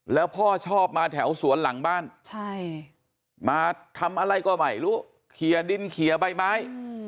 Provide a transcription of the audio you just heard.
แล้วพ่อชอบมาแถวสวนหลังบ้านมาทำอะไรก็ไม่รู้เคลียร์ดินเคลียร์ใบไม้